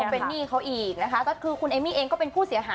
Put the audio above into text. เป็นหนี้เขาอีกนะคะก็คือคุณเอมมี่เองก็เป็นผู้เสียหาย